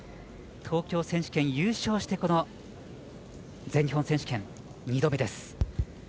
東京選手権優勝してこの全日本選手権、２度目です。